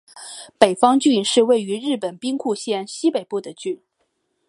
美方郡是位于日本兵库县西北部的郡。